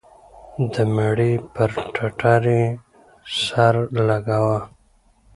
د مړي پر ټټر يې سر لگاوه.